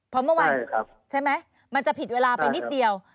เพราะเมื่อวานใช่ไหมมันจะผิดเวลาไปนิดเดียว